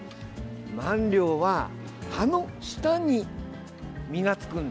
万両は葉の下に実がつくんですね。